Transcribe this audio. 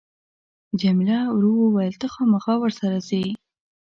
جميله ورو وویل ته خامخا ورسره ځې.